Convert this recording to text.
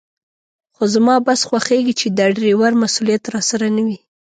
خو زما بس خوښېږي چې د ډریور مسوولیت راسره نه وي.